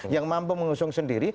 yang mampu mengusung sendiri